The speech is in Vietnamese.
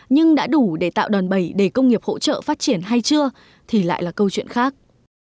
nhưng đã đủ để tạo đòn bẩy để công nghiệp hỗ trợ phát triển hay chưa thì lại là câu chuyện khác